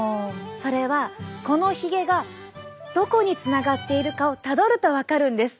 それはこのヒゲがどこにつながっているかをたどると分かるんです。